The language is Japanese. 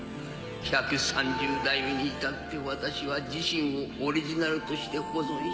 １３０代目に至って私は自身をオリジナルとして保存した。